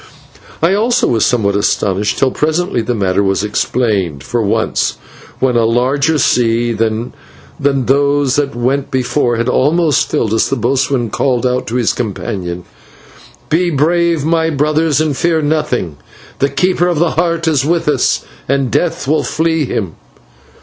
I also was somewhat astonished till presently the matter was explained, for once, when a larger sea than those that went before had almost filled us, the boatswain called out to his companions: "Be brave, my brothers, and fear nothing. The Keeper of the Heart is with us, and death will flee him."